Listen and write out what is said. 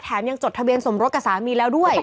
ยังจดทะเบียนสมรสกับสามีแล้วด้วย